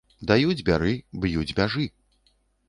Даюць, бяры, б'юць, бяжы!